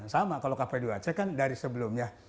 sama kalau kp dua c kan dari sebelumnya